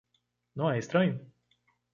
Não é estranho?